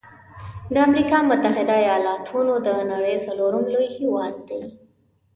د امريکا متحده ایلاتونو د نړۍ څلورم لوی هیواد دی.